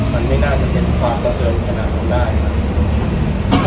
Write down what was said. มันไม่น่าจะเห็นความเจริญขนาดนั้นได้ครับ